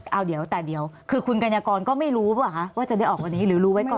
เอาเดี๋ยวแต่เดี๋ยวคือคุณกัญญากรก็ไม่รู้ป่ะคะว่าจะได้ออกวันนี้หรือรู้ไว้ก่อน